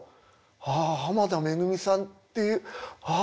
ああ濱田めぐみさんっていうああ